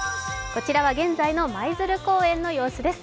こちらは現在の舞鶴公園の様子です。